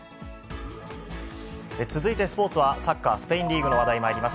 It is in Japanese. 続いてスポーツは、サッカースペインリーグの話題まいります。